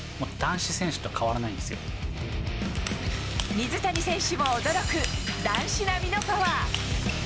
水谷選手も驚く男子並みのパワー。